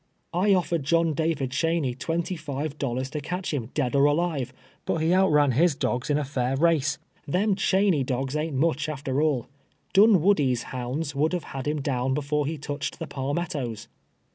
I ottered Joliii David Cheney twenty tive dollars to catch liini, dead or alive, but he outran his dogs in a fair I'ace. Them Cheney doi^s ain't much, after all. ])unwoQdie's liounds would have had him down heft 're he touched the pal mettoes.